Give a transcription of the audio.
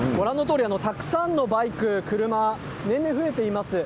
たくさんのバイク、車年々、増えています。